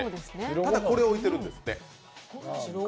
ただこれを置いているんですって。